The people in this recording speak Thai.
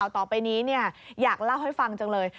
ต่อไปนี้อยากเล่าให้ฟังจังเลย